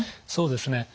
そうですね。